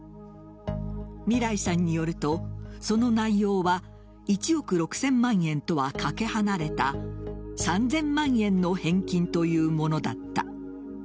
みらいさんによると、その内容は１億６０００万円とはかけ離れた３０００万円の返金というものだった。